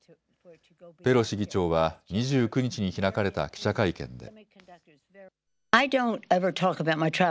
ペロシ議長は２９日に開かれた記者会見で。